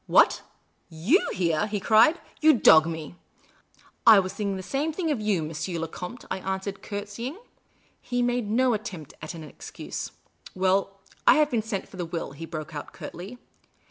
" What, yoic here !" he cried. " You dog me !"" I was thinking the same thing of you, M. le Comte," I answered, curtsying. He made no attempt at an excuse. " Well, I have been sent for the will," he broke out, curtly.